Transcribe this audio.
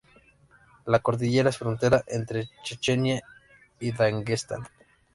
La cordillera es frontera entre Chechenia y Daguestán.